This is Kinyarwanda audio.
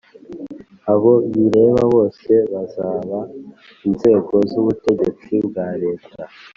abo bireba bose zaba inzego z ubutegetsi bwa leta